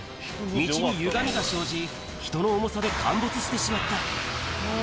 道にゆがみが生じ、人の重さで陥没してしまった。